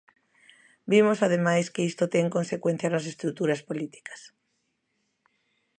Vimos ademais que isto ten consecuencias nas estruturas políticas.